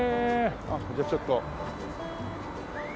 あっじゃあちょっと。